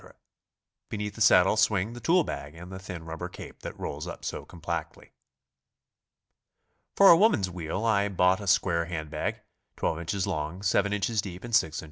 Beneath the saddle swing the tool bag and the thin rubber cape that rolls up so compactly. For a woman's wheel I bought a square hand bag, 12 in. long, 7 in. deep, and 6 in.